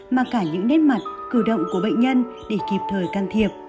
mà cả những nếp mặt cử động của bệnh nhân để kịp thời can thiệp